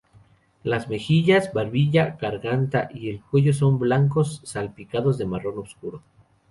Las mejillas, barbilla, garganta y cuello son blancos, salpicados de marrón oscuro.